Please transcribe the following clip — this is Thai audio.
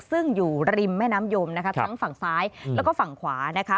ซึ่งอยู่ริมแม่น้ำยมนะคะทั้งฝั่งซ้ายแล้วก็ฝั่งขวานะคะ